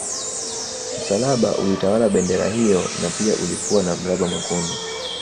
Msalaba ulitawala bendera hiyo na pia ulikuwa na mraba mwekundu